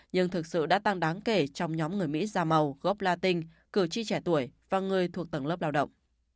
nhưng thực sự đã tăng đáng kể trong nhóm người mỹ da màu gốc latin cử tri trẻ tuổi và người thuộc tầng lớp lao động